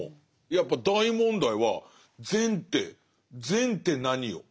やっぱ大問題は善って善って何よ？